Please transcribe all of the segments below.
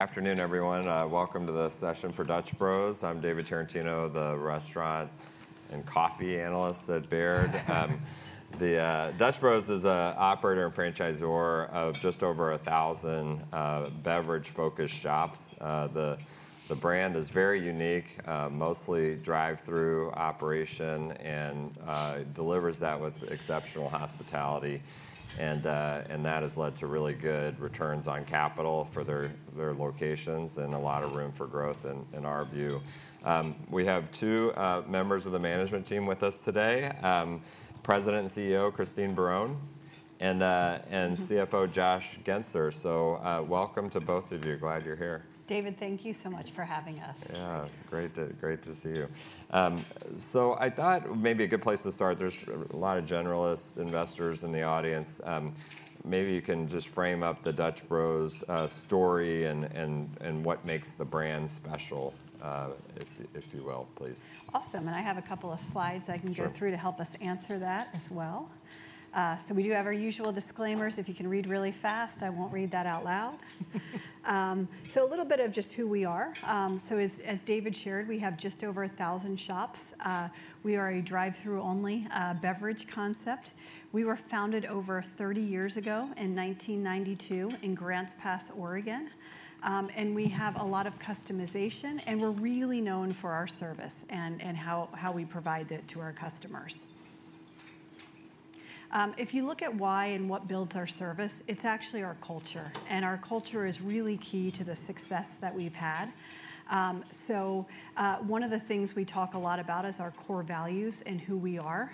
Afternoon, everyone. Welcome to the session for Dutch Bros. I'm David Tarantino, the restaurant and coffee analyst at Baird. Dutch Bros is an operator and franchisor of just over 1,000 beverage-focused shops. The brand is very unique, mostly drive-through operation, and delivers that with exceptional hospitality. That has led to really good returns on capital for their locations and a lot of room for growth, in our view. We have two members of the management team with us today: President and CEO, Christine Barone and CFO ,Josh Guenser. Glad you're here. David, thank you so much for having us. Yeah, great to see you. I thought maybe a good place to start, there's a lot of generalist investors in the audience. Maybe you can just frame up the Dutch Bros story and what makes the brand special, if you will, please. Awesome. I have a couple of slides I can go through to help us answer that as well. We do have our usual disclaimers. If you can read really fast, I will not read that out loud. A little bit of just who we are. As David shared, we have just over 1,000 shops. We are a drive-through-only beverage concept. We were founded over 30 years ago in 1992 in Grants Pass, Oregon. We have a lot of customization. We are really known for our service and how we provide that to our customers. If you look at why and what builds our service, it is actually our culture. Our culture is really key to the success that we have had. One of the things we talk a lot about is our core values and who we are.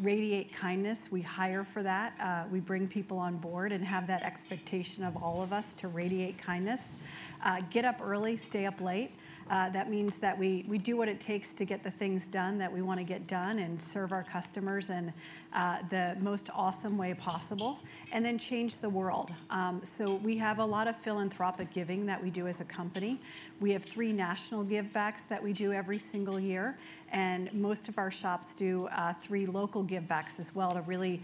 Radiate kindness. We hire for that. We bring people on board and have that expectation of all of us to radiate kindness. Get up early, stay up late. That means that we do what it takes to get the things done that we want to get done and serve our customers in the most awesome way possible. We have a lot of philanthropic giving that we do as a company. We have three national give-backs that we do every single year. Most of our shops do three local give-backs as well to really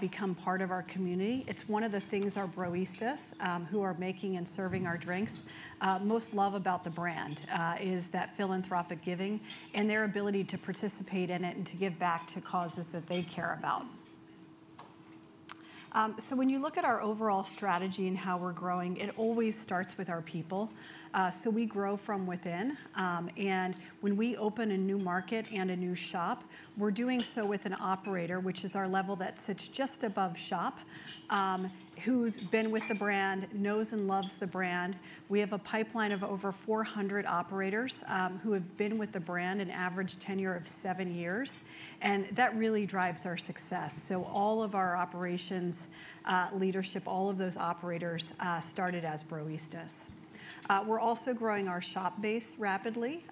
become part of our community. It's one of the things our broistas, who are making and serving our drinks, most love about the brand is that philanthropic giving and their ability to participate in it and to give back to causes that they care about. When you look at our overall strategy and how we're growing, it always starts with our people. We grow from within. When we open a new market and a new shop, we're doing so with an operator, which is our level that sits just above shop, who's been with the brand, knows and loves the brand. We have a pipeline of over 400 operators who have been with the brand, an average tenure of seven years. That really drives our success. All of our operations, leadership, all of those operators started as broistas. We're also growing our shop base rapidly.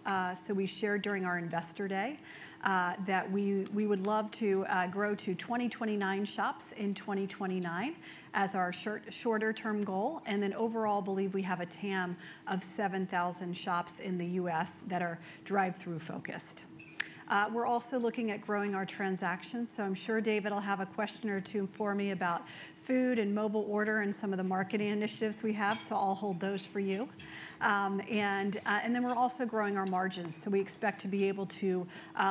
We shared during our investor day that we would love to grow to 2,029 shops in 2029 as our shorter-term goal. Overall, we believe we have a TAM of 7,000 shops in the U.S. that are drive-through-focused. We're also looking at growing our transactions. I'm sure David will have a question or two for me about food and mobile order and some of the marketing initiatives we have. I'll hold those for you. We're also growing our margins. We expect to be able to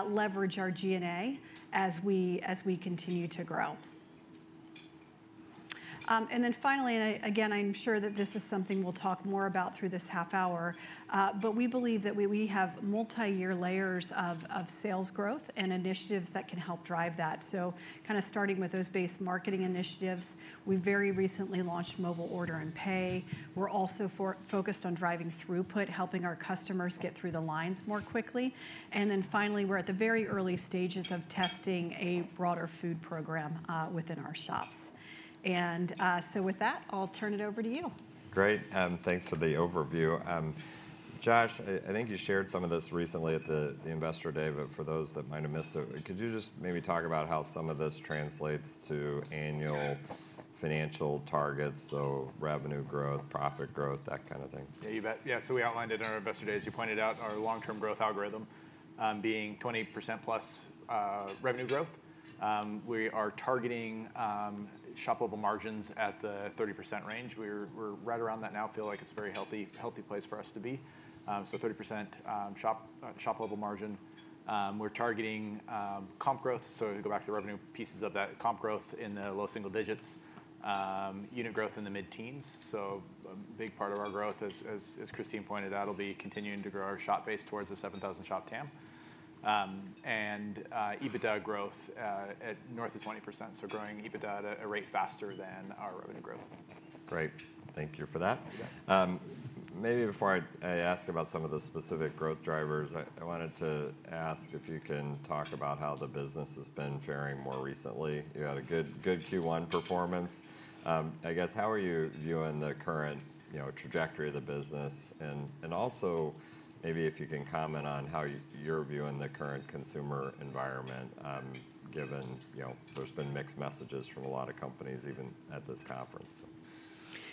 leverage our G&A as we continue to grow. Finally, and again, I'm sure that this is something we'll talk more about through this half hour, we believe that we have multi-year layers of sales growth and initiatives that can help drive that. Kind of starting with those base marketing initiatives, we very recently launched mobile order and pay. We're also focused on driving throughput, helping our customers get through the lines more quickly. Finally, we're at the very early stages of testing a broader food program within our shops. With that, I'll turn it over to you. Great. Thanks for the overview. Josh, I think you shared some of this recently at the investor day. For those that might have missed it, could you just maybe talk about how some of this translates to annual financial targets? Revenue growth, profit growth, that kind of thing. Yeah, so we outlined it in our investor day. As you pointed out, our long-term growth algorithm being 20% plus revenue growth. We are targeting shop-level margins at the 30% range. We're right around that now. Feel like it's a very healthy place for us to be. 30% shop-level margin. We're targeting comp growth. Go back to the revenue pieces of that comp growth in the low single digits, unit growth in the mid-teens. A big part of our growth, as Christine pointed out, will be continuing to grow our shop base towards the 7,000 shop TAM. EBITDA growth at north of 20%. Growing EBITDA at a rate faster than our revenue growth. Great. Thank you for that. Maybe before I ask about some of the specific growth drivers, I wanted to ask if you can talk about how the business has been faring more recently. You had a good Q1 performance. I guess, how are you viewing the current trajectory of the business? Also maybe if you can comment on how you're viewing the current consumer environment, given there's been mixed messages from a lot of companies, even at this conference.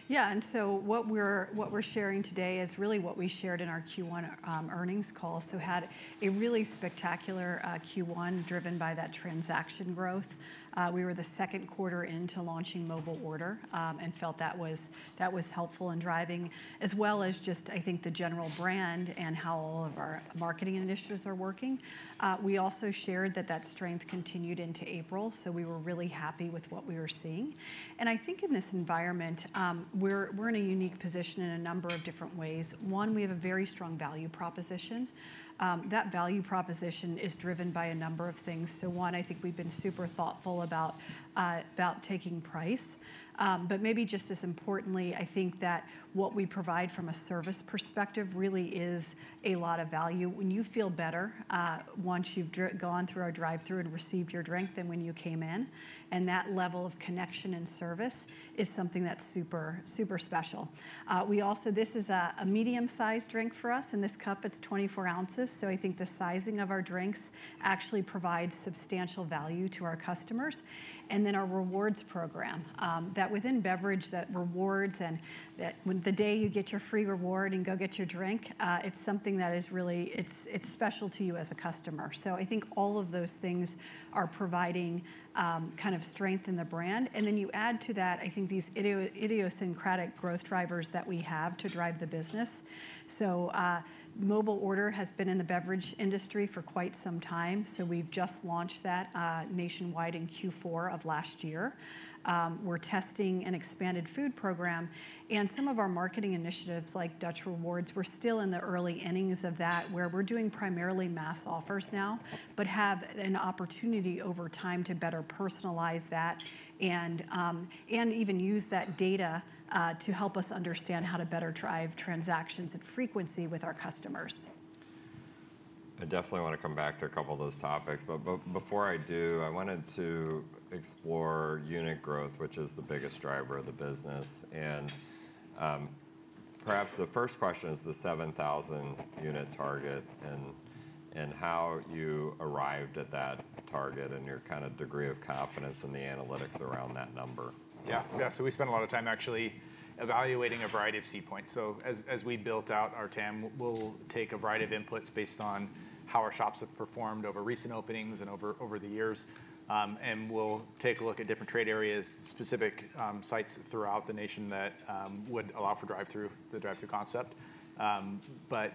Yeah. What we're sharing today is really what we shared in our Q1 earnings call. We had a really spectacular Q1 driven by that transaction growth. We were the second quarter into launching mobile order and felt that was helpful in driving, as well as just, I think, the general brand and how all of our marketing initiatives are working. We also shared that that strength continued into April. We were really happy with what we were seeing. I think in this environment, we're in a unique position in a number of different ways. One, we have a very strong value proposition. That value proposition is driven by a number of things. One, I think we've been super thoughtful about taking price. Maybe just as importantly, I think that what we provide from a service perspective really is a lot of value. When you feel better once you've gone through our drive-through and received your drink than when you came in. That level of connection and service is something that's super special. This is a medium-sized drink for us. This cup, it's 24 ounces. I think the sizing of our drinks actually provides substantial value to our customers. Our rewards program, that within beverage, that rewards, and the day you get your free reward and go get your drink, it's something that is really, it's special to you as a customer. I think all of those things are providing kind of strength in the brand. You add to that, I think, these idiosyncratic growth drivers that we have to drive the business. Mobile order has been in the beverage industry for quite some time. We have just launched that nationwide in Q4 of last year. We are testing an expanded food program. Some of our marketing initiatives like Dutch Rewards, we are still in the early innings of that, where we are doing primarily mass offers now, but have an opportunity over time to better personalize that and even use that data to help us understand how to better drive transactions and frequency with our customers. I definitely want to come back to a couple of those topics. Before I do, I wanted to explore unit growth, which is the biggest driver of the business. Perhaps the first question is the 7,000 unit target and how you arrived at that target and your kind of degree of confidence in the analytics around that number. Yeah. Yeah. So we spent a lot of time actually evaluating a variety of C points. As we built out our TAM, we will take a variety of inputs based on how our shops have performed over recent openings and over the years. We will take a look at different trade areas, specific sites throughout the nation that would allow for drive-through, the drive-through concept. We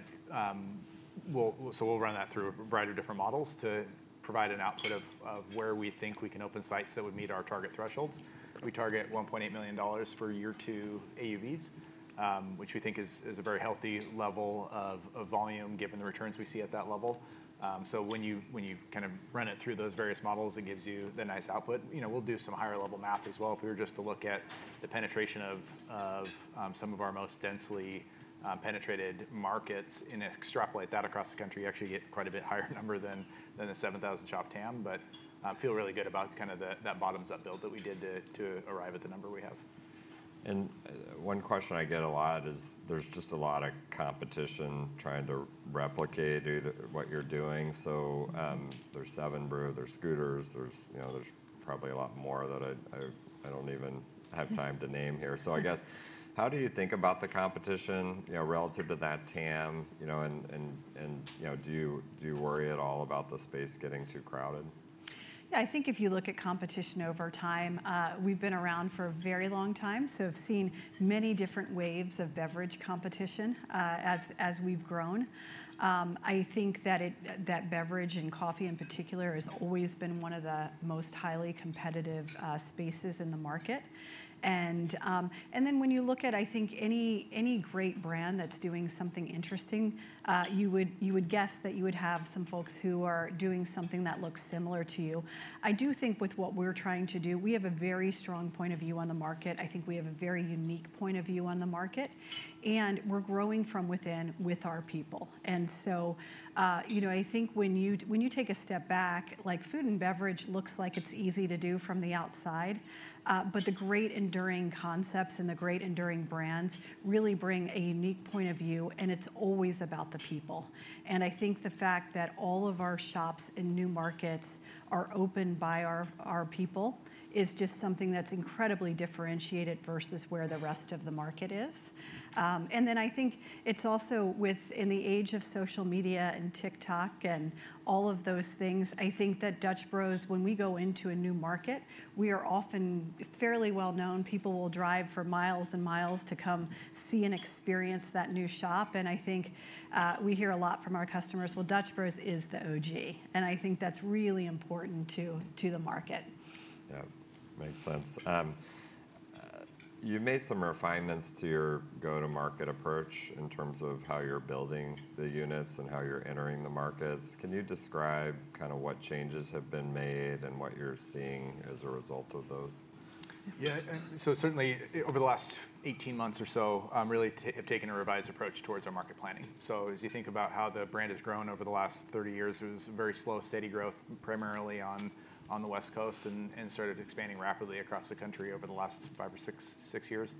will run that through a variety of different models to provide an output of where we think we can open sites that would meet our target thresholds. We target $1.8 million for year two AUVs, which we think is a very healthy level of volume given the returns we see at that level. When you kind of run it through those various models, it gives you the nice output. We will do some higher-level math as well. If we were just to look at the penetration of some of our most densely penetrated markets and extrapolate that across the country, you actually get quite a bit higher number than the 7,000 shop TAM. I feel really good about kind of that bottoms-up build that we did to arrive at the number we have. One question I get a lot is there's just a lot of competition trying to replicate what you're doing. There's 7 Brew, there's Scooter's, there's probably a lot more that I don't even have time to name here. I guess, how do you think about the competition relative to that TAM? Do you worry at all about the space getting too crowded? Yeah. I think if you look at competition over time, we've been around for a very long time. I've seen many different waves of beverage competition as we've grown. I think that beverage and coffee in particular has always been one of the most highly competitive spaces in the market. When you look at, I think, any great brand that's doing something interesting, you would guess that you would have some folks who are doing something that looks similar to you. I do think with what we're trying to do, we have a very strong point of view on the market. I think we have a very unique point of view on the market. We're growing from within with our people. I think when you take a step back, like food and beverage looks like it's easy to do from the outside. The great enduring concepts and the great enduring brands really bring a unique point of view. It is always about the people. I think the fact that all of our shops in new markets are opened by our people is just something that is incredibly differentiated versus where the rest of the market is. I think it is also within the age of social media and TikTok and all of those things, I think that Dutch Bros, when we go into a new market, we are often fairly well known. People will drive for miles and miles to come see and experience that new shop. I think we hear a lot from our customers, well, Dutch Bros is the OG. I think that is really important to the market. Yeah. Makes sense. You've made some refinements to your go-to-market approach in terms of how you're building the units and how you're entering the markets. Can you describe kind of what changes have been made and what you're seeing as a result of those? Yeah. So certainly over the last 18 months or so, really have taken a revised approach towards our market planning. As you think about how the brand has grown over the last 30 years, it was very slow, steady growth primarily on the West Coast and started expanding rapidly across the country over the last five or six years.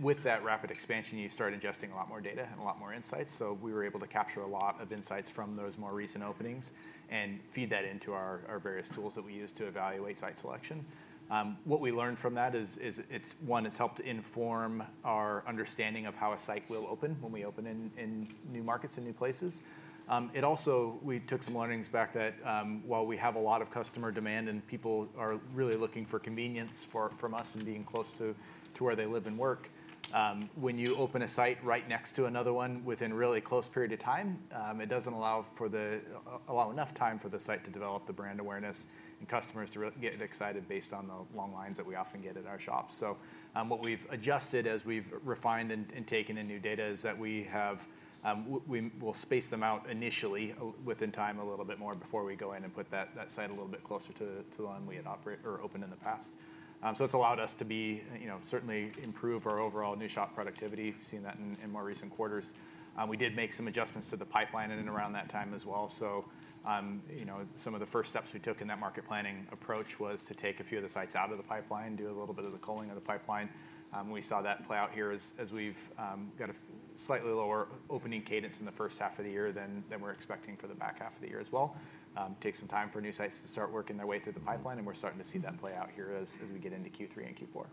With that rapid expansion, you start ingesting a lot more data and a lot more insights. We were able to capture a lot of insights from those more recent openings and feed that into our various tools that we use to evaluate site selection. What we learned from that is, one, it has helped inform our understanding of how a site will open when we open in new markets and new places. It also, we took some learnings back that while we have a lot of customer demand and people are really looking for convenience from us and being close to where they live and work, when you open a site right next to another one within a really close period of time, it does not allow enough time for the site to develop the brand awareness and customers to get excited based on the long lines that we often get at our shops. What we have adjusted as we have refined and taken in new data is that we will space them out initially within time a little bit more before we go in and put that site a little bit closer to the one we had opened in the past. It has allowed us to certainly improve our overall new shop productivity. We have seen that in more recent quarters. We did make some adjustments to the pipeline in and around that time as well. Some of the first steps we took in that market planning approach was to take a few of the sites out of the pipeline, do a little bit of the culling of the pipeline. We saw that play out here as we've got a slightly lower opening cadence in the first half of the year than we're expecting for the back half of the year as well. It takes some time for new sites to start working their way through the pipeline. We're starting to see that play out here as we get into Q3 and Q4.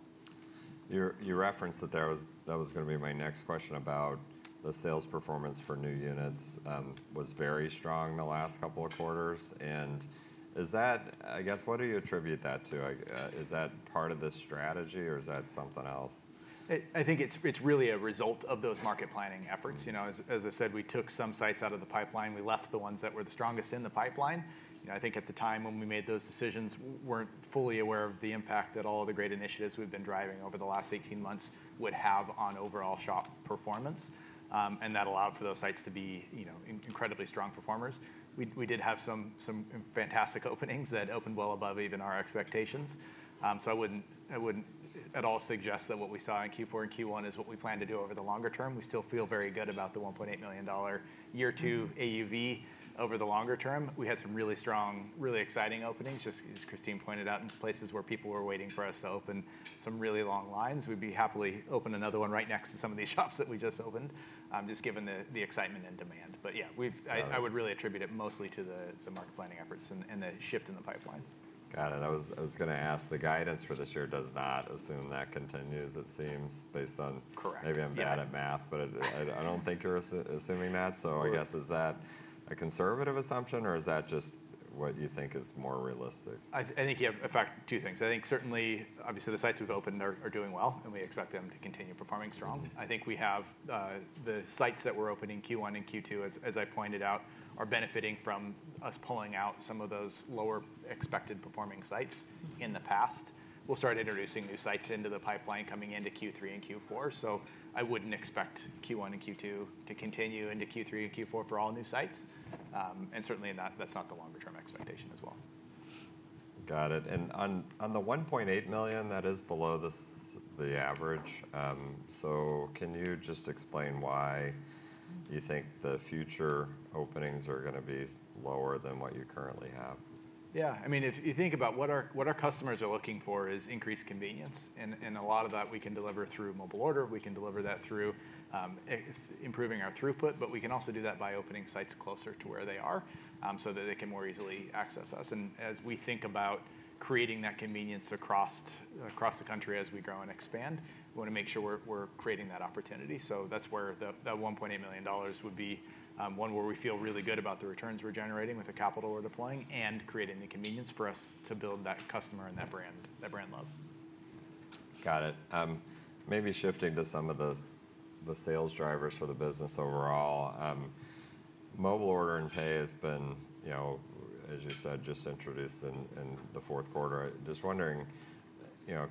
You referenced that was going to be my next question about the sales performance for new units was very strong the last couple of quarters. Is that, I guess, what do you attribute that to? Is that part of the strategy or is that something else? I think it's really a result of those market planning efforts. As I said, we took some sites out of the pipeline. We left the ones that were the strongest in the pipeline. I think at the time when we made those decisions, we weren't fully aware of the impact that all of the great initiatives we've been driving over the last 18 months would have on overall shop performance. That allowed for those sites to be incredibly strong performers. We did have some fantastic openings that opened well above even our expectations. I wouldn't at all suggest that what we saw in Q4 and Q1 is what we plan to do over the longer term. We still feel very good about the $1.8 million year two AUV over the longer term. We had some really strong, really exciting openings, just as Christine pointed out, in places where people were waiting for us to open, some really long lines. We'd be happily open another one right next to some of these shops that we just opened, just given the excitement and demand. Yeah, I would really attribute it mostly to the market planning efforts and the shift in the pipeline. Got it. I was going to ask, the guidance for this year does not assume that continues, it seems, based on maybe I'm bad at math, but I don't think you're assuming that. I guess, is that a conservative assumption or is that just what you think is more realistic? I think you have two things. I think certainly, obviously, the sites we've opened are doing well. We expect them to continue performing strong. I think the sites that we're opening Q1 and Q2, as I pointed out, are benefiting from us pulling out some of those lower expected performing sites in the past. We'll start introducing new sites into the pipeline coming into Q3 and Q4. I wouldn't expect Q1 and Q2 to continue into Q3 and Q4 for all new sites. Certainly, that's not the longer-term expectation as well. Got it. On the $1.8 million, that is below the average. Can you just explain why you think the future openings are going to be lower than what you currently have? Yeah. I mean, if you think about what our customers are looking for is increased convenience. A lot of that we can deliver through mobile order. We can deliver that through improving our throughput. We can also do that by opening sites closer to where they are so that they can more easily access us. As we think about creating that convenience across the country as we grow and expand, we want to make sure we're creating that opportunity. That is where that $1.8 million would be one where we feel really good about the returns we're generating with the capital we're deploying and creating the convenience for us to build that customer and that brand love. Got it. Maybe shifting to some of the sales drivers for the business overall. Mobile order and pay has been, as you said, just introduced in the fourth quarter. Just wondering,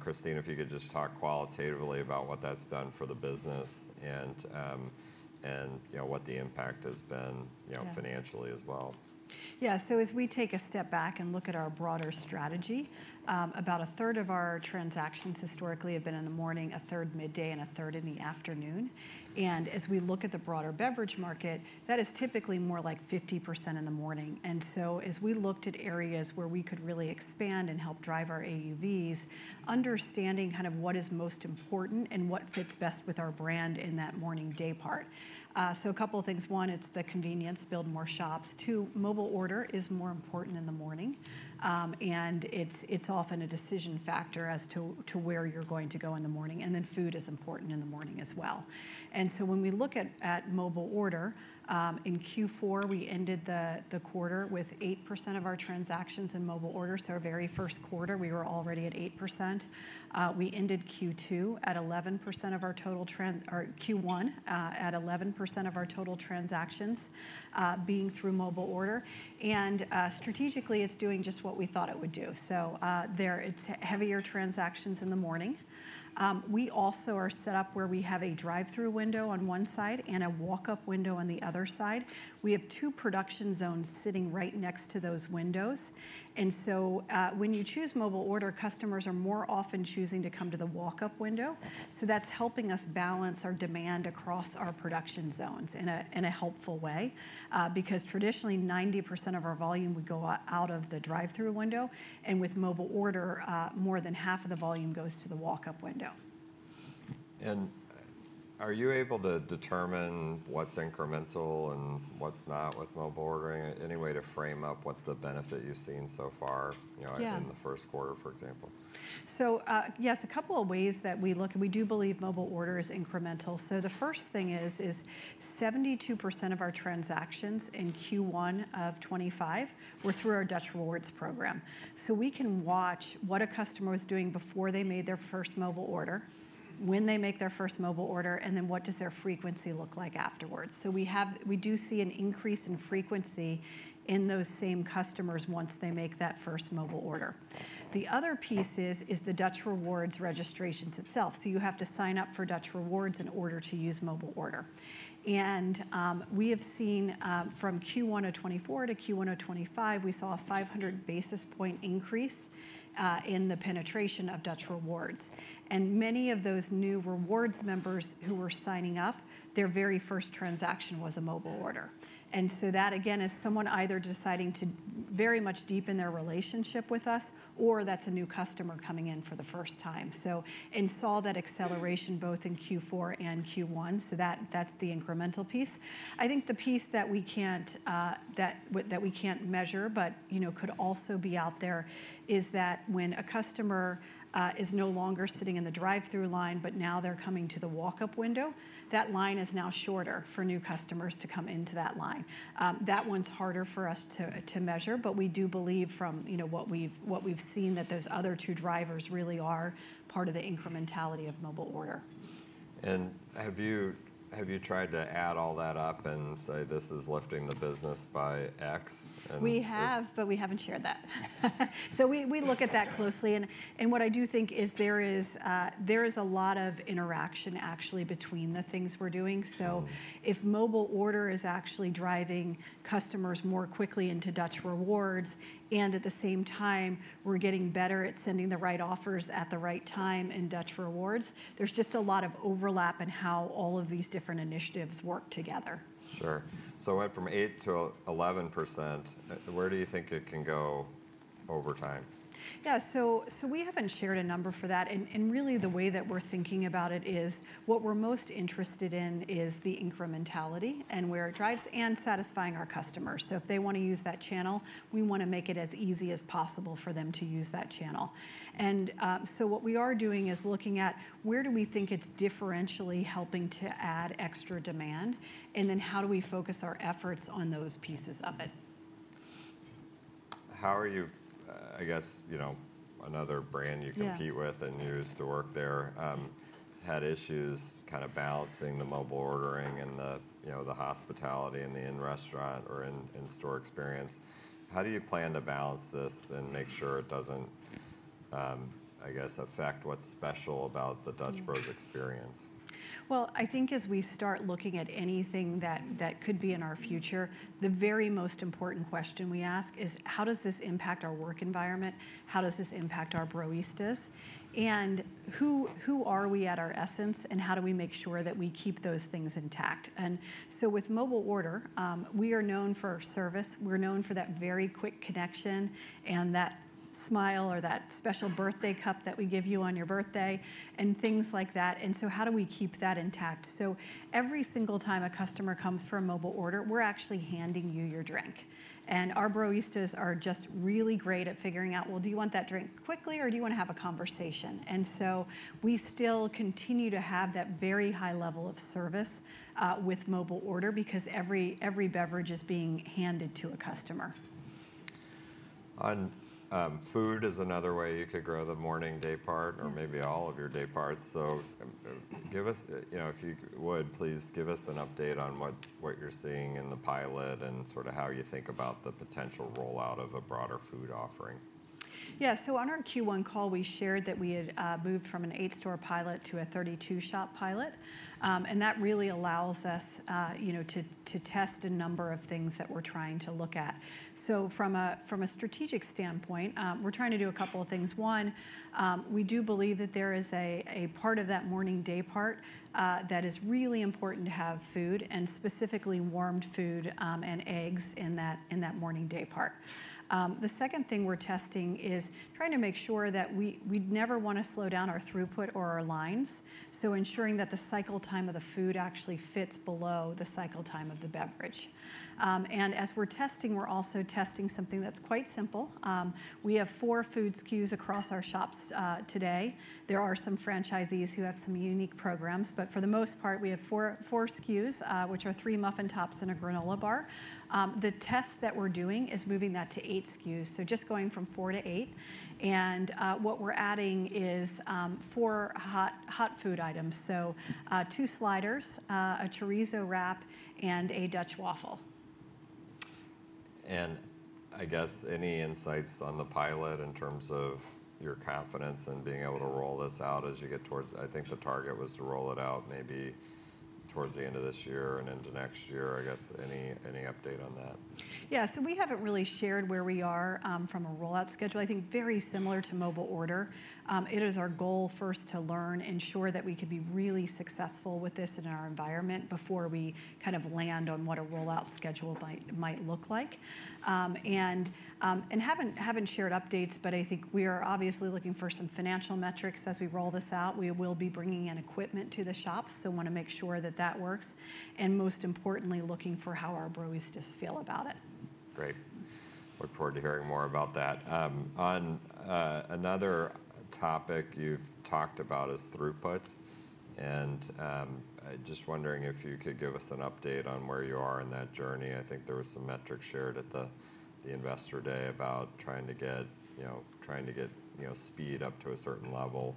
Christine, if you could just talk qualitatively about what that's done for the business and what the impact has been financially as well. Yeah. As we take a step back and look at our broader strategy, about a 1/3 of our transactions historically have been in the morning, a 1/3 midday, and a 1/3 in the afternoon. As we look at the broader beverage market, that is typically more like 50% in the morning. As we looked at areas where we could really expand and help drive our AUVs, understanding kind of what is most important and what fits best with our brand in that morning day part. A couple of things. One, it's the convenience to build more shops. Two, mobile order is more important in the morning. It's often a decision factor as to where you're going to go in the morning. Food is important in the morning as well. When we look at mobile order, in Q4, we ended the quarter with 8% of our transactions in mobile orders. Our very first quarter, we were already at 8%. We ended Q2 at 11% of our total or Q1 at 11% of our total transactions being through mobile order. Strategically, it is doing just what we thought it would do. There are heavier transactions in the morning. We also are set up where we have a drive-through window on one side and a walk-up window on the other side. We have two production zones sitting right next to those windows. When you choose mobile order, customers are more often choosing to come to the walk-up window. That is helping us balance our demand across our production zones in a helpful way. Traditionally, 90% of our volume would go out of the drive-through window. With mobile order, more than half of the volume goes to the walk-up window. Are you able to determine what's incremental and what's not with mobile ordering? Any way to frame up what the benefit you've seen so far in the first quarter, for example? Yes, a couple of ways that we look. We do believe mobile order is incremental. The first thing is 72% of our transactions in Q1 of 2025 were through our Dutch Rewards program. We can watch what a customer was doing before they made their first mobile order, when they make their first mobile order, and then what does their frequency look like afterwards. We do see an increase in frequency in those same customers once they make that first mobile order. The other piece is the Dutch Rewards registrations itself. You have to sign up for Dutch Rewards in order to use mobile order. We have seen from Q1 of 2024 to Q1 of 2025, we saw a 500 basis point increase in the penetration of Dutch Rewards. Many of those new rewards members who were signing up, their very first transaction was a mobile order. That, again, is someone either deciding to very much deepen their relationship with us or that is a new customer coming in for the first time. I saw that acceleration both in Q4 and Q1. That is the incremental piece. I think the piece that we cannot measure but could also be out there is that when a customer is no longer sitting in the drive-through line, but now they are coming to the walk-up window, that line is now shorter for new customers to come into that line. That one is harder for us to measure. We do believe from what we have seen that those other two drivers really are part of the incrementality of mobile order. Have you tried to add all that up and say, this is lifting the business by X? We have, but we haven't shared that. We look at that closely. What I do think is there is a lot of interaction actually between the things we're doing. If mobile order is actually driving customers more quickly into Dutch Rewards, and at the same time, we're getting better at sending the right offers at the right time in Dutch Rewards, there's just a lot of overlap in how all of these different initiatives work together. Sure. So went from 8% to 11%. Where do you think it can go over time? Yeah. We haven't shared a number for that. Really, the way that we're thinking about it is what we're most interested in is the incrementality and where it drives and satisfying our customers. If they want to use that channel, we want to make it as easy as possible for them to use that channel. What we are doing is looking at where we think it's differentially helping to add extra demand, and then how we focus our efforts on those pieces of it. How are you, I guess, another brand you compete with and used to work there, had issues kind of balancing the mobile ordering and the hospitality and the in-restaurant or in-store experience. How do you plan to balance this and make sure it doesn't, I guess, affect what's special about the Dutch Bros experience? I think as we start looking at anything that could be in our future, the very most important question we ask is, how does this impact our work environment? How does this impact our broistas, and who are we at our essence? How do we make sure that we keep those things intact? With mobile order, we are known for service. We're known for that very quick connection and that smile or that special birthday cup that we give you on your birthday and things like that. How do we keep that intact? Every single time a customer comes for a mobile order, we're actually handing you your drink. Our broistas are just really great at figuring out, well, do you want that drink quickly or do you want to have a conversation? We still continue to have that very high level of service with mobile order because every beverage is being handed to a customer. Food is another way you could grow the morning day part or maybe all of your day parts. If you would, please give us an update on what you're seeing in the pilot and sort of how you think about the potential rollout of a broader food offering. Yeah. On our Q1 call, we shared that we had moved from an eight-store pilot to a 32-shop pilot. That really allows us to test a number of things that we're trying to look at. From a strategic standpoint, we're trying to do a couple of things. One, we do believe that there is a part of that morning day part that is really important to have food and specifically warmed food and eggs in that morning day part. The second thing we're testing is trying to make sure that we never want to slow down our throughput or our lines. Ensuring that the cycle time of the food actually fits below the cycle time of the beverage. As we're testing, we're also testing something that's quite simple. We have four food SKUs across our shops today. There are some franchisees who have some unique programs. For the most part, we have four SKUs, which are three muffin tops and a granola bar. The test that we're doing is moving that to eight SKUs, just going from four to eight. What we're adding is four hot food items: two sliders, a chorizo wrap, and a Dutch waffle. I guess any insights on the pilot in terms of your confidence in being able to roll this out as you get towards, I think the target was to roll it out maybe towards the end of this year and into next year. I guess any update on that? Yeah. We have not really shared where we are from a rollout schedule. I think very similar to mobile order. It is our goal first to learn, ensure that we could be really successful with this in our environment before we kind of land on what a rollout schedule might look like. We have not shared updates. I think we are obviously looking for some financial metrics as we roll this out. We will be bringing in equipment to the shops. We want to make sure that that works. Most importantly, looking for how our broistas feel about it. Great. Look forward to hearing more about that. On another topic you've talked about is throughput. Just wondering if you could give us an update on where you are in that journey. I think there were some metrics shared at the investor day about trying to get speed up to a certain level.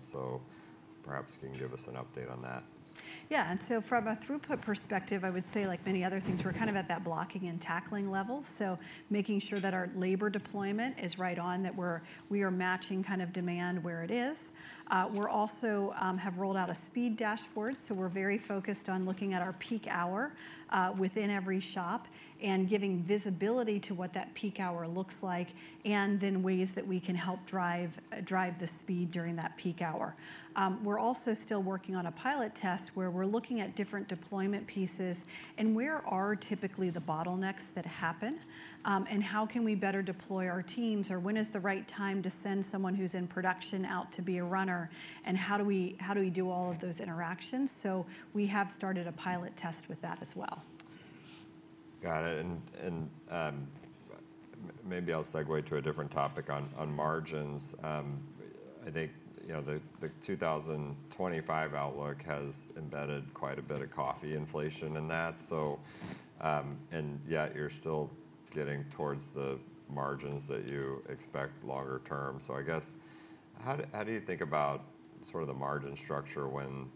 Perhaps you can give us an update on that. Yeah. From a throughput perspective, I would say, like many other things, we're kind of at that blocking and tackling level. Making sure that our labor deployment is right on, that we are matching kind of demand where it is. We also have rolled out a speed dashboard. We're very focused on looking at our peak hour within every shop and giving visibility to what that peak hour looks like and then ways that we can help drive the speed during that peak hour. We're also still working on a pilot test where we're looking at different deployment pieces and where are typically the bottlenecks that happen and how can we better deploy our teams or when is the right time to send someone who's in production out to be a runner and how do we do all of those interactions. We have started a pilot test with that as well. Got it. Maybe I'll segue to a different topic on margins. I think the 2025 outlook has embedded quite a bit of coffee inflation in that. Yet you're still getting towards the margins that you expect longer term. I guess how do you think about sort of the margin structure when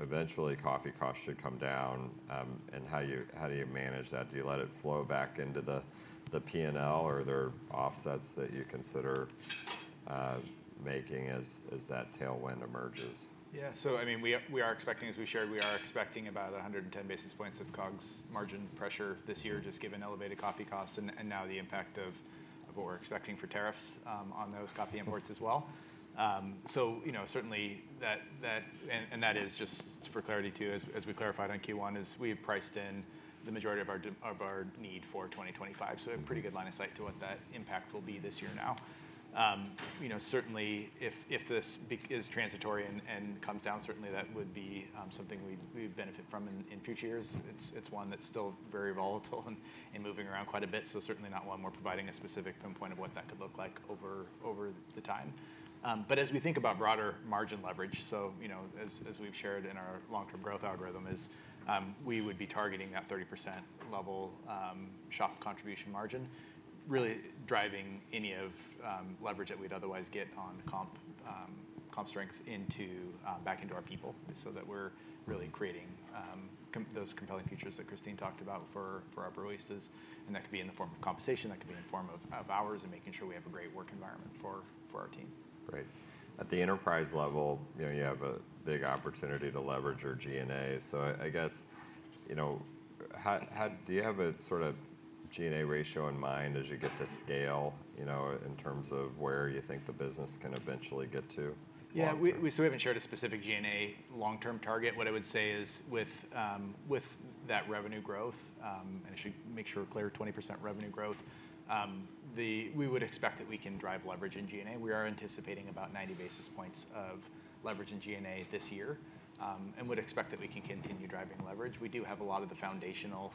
eventually coffee costs should come down? How do you manage that? Do you let it flow back into the P&L or are there offsets that you consider making as that tailwind emerges? Yeah. I mean, we are expecting, as we shared, we are expecting about 110 basis points of COGS margin pressure this year just given elevated coffee costs and now the impact of what we are expecting for tariffs on those coffee imports as well. Certainly that, and that is just for clarity too, as we clarified on Q1, is we have priced in the majority of our need for 2025. We have a pretty good line of sight to what that impact will be this year now. Certainly, if this is transitory and comes down, that would be something we would benefit from in future years. It is one that is still very volatile and moving around quite a bit. Certainly not one we are providing a specific pinpoint of what that could look like over the time. As we think about broader margin leverage, as we've shared in our long-term growth algorithm, we would be targeting that 30% level shop contribution margin, really driving any of leverage that we'd otherwise get on comp strength back into our people so that we're really creating those compelling features that Christine talked about for our broistas. That could be in the form of compensation. That could be in the form of hours and making sure we have a great work environment for our team. Great. At the enterprise level, you have a big opportunity to leverage your G&A. I guess do you have a sort of G&A ratio in mind as you get to scale in terms of where you think the business can eventually get to? Yeah. So we have not shared a specific G&A long-term target. What I would say is with that revenue growth, and I should make sure we are clear, 20% revenue growth, we would expect that we can drive leverage in G&A. We are anticipating about 90 basis points of leverage in G&A this year and would expect that we can continue driving leverage. We do have a lot of the foundational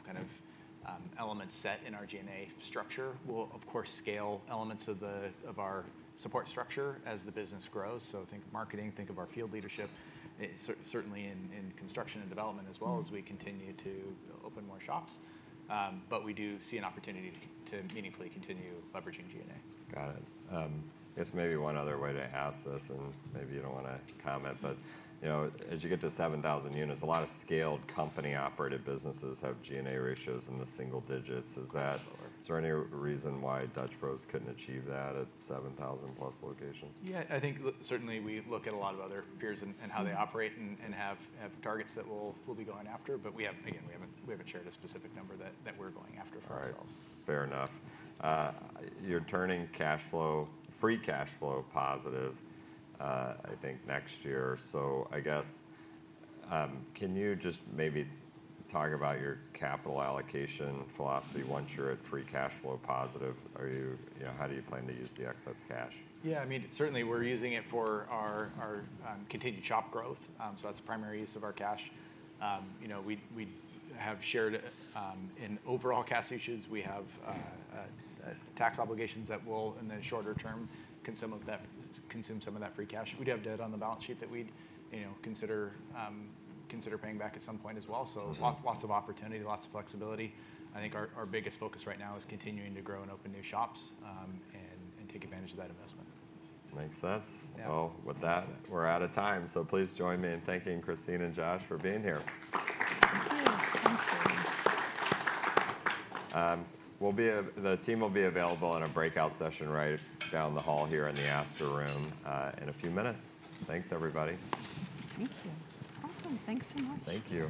kind of elements set in our G&A structure. We will, of course, scale elements of our support structure as the business grows. Think marketing, think of our field leadership, certainly in construction and development as well as we continue to open more shops. We do see an opportunity to meaningfully continue leveraging G&A. Got it. I guess maybe one other way to ask this, and maybe you don't want to comment, but as you get to 7,000 units, a lot of scaled company-operated businesses have G&A ratios in the single digits. Is there any reason why Dutch Bros couldn't achieve that at 7,000+ locations? Yeah. I think certainly we look at a lot of other peers and how they operate and have targets that we'll be going after. Again, we haven't shared a specific number that we're going after for ourselves. All right. Fair enough. You're turning free cash flow positive, I think, next year. I guess can you just maybe talk about your capital allocation philosophy once you're at free cash flow positive? How do you plan to use the excess cash? Yeah. I mean, certainly we're using it for our continued shop growth. That's the primary use of our cash. We have shared in overall cash issues. We have tax obligations that will, in the shorter term, consume some of that free cash. We do have debt on the balance sheet that we'd consider paying back at some point as well. Lots of opportunity, lots of flexibility. I think our biggest focus right now is continuing to grow and open new shops and take advantage of that investment. Makes sense. With that, we're out of time. Please join me in thanking Christine and Josh for being here. Thank you. Thank you. The team will be available in a breakout session right down the hall here in the Asteroom in a few minutes. Thanks, everybody. Thank you. Awesome. Thanks so much. Thank you.